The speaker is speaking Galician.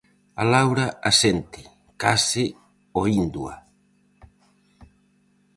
A Laura asente, case oíndoa.